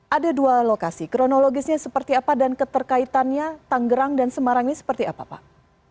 ada dua lokasi kronologisnya seperti apa dan keterkaitannya tanggerang dan semarang ini seperti apa pak